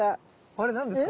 あれ何ですか？